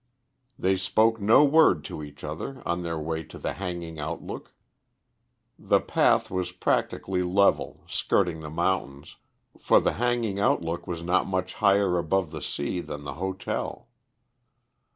The spoke no word to each other on their way to the Hanging Outlook. The path was practically level, skirting the mountains, for the Hanging Outlook was not much higher above the sea than the hotel.